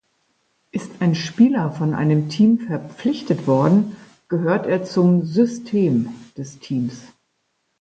Ist ein Spieler von einem Team verpflichtet worden, gehört er zum "System" des Teams.